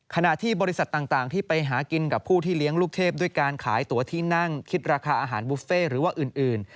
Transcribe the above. ขณะที่บริษัทต่างที่ไปหากินกับผู้ที่เลี้ยงลูกเทพด้วยการขายตัวที่นั่งคิดราคาอาหารบุฟเฟ่หรือว่าอื่น